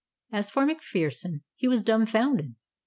As for MacPherson, he was dumbfounded.